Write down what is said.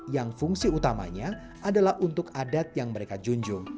yang fungsi utamanya adalah untuk adat yang mereka junjung